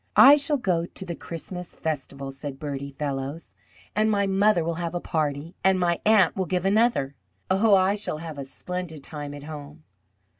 "I shall go to the Christmas festival," said Bertie Fellows, "and my mother will have a party, and my Aunt will give another. Oh! I shall have a splendid time at home."